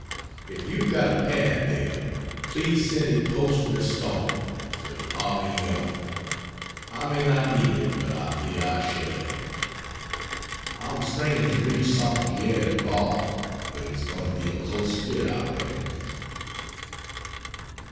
If you've got a pad there, please send it poste restante to Avignon. I may not need it but I fear I shall. I'm straining to reach St. Pierre de Boef, but it's going to be a close fit, I reckon.